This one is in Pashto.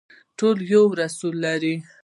ټول یو رسول لري